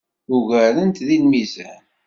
Ugaren-t deg lmizan.